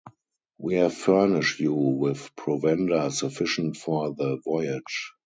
We have furnish you with provender sufficient for the voyage.